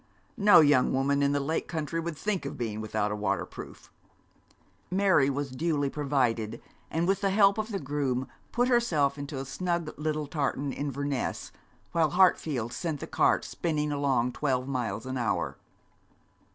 'No young woman in the Lake country would think of being without a waterproof.' Mary was duly provided, and with the help of the groom put herself into a snug little tartan Inverness, while Hartfield sent the cart spinning along twelve miles an hour.